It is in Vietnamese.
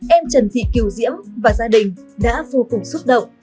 em trần thị kiều diễm và gia đình đã vô cùng xúc động